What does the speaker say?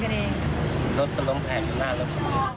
รถจะลงแผ่นอยู่หน้าแล้วครับ